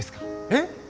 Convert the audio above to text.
えっ？